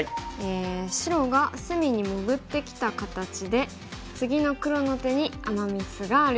白が隅に潜ってきた形で次の黒の手にアマ・ミスがあるようです。